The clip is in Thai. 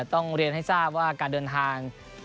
ต้องเรียนให้ทราบว่าการเดินทาง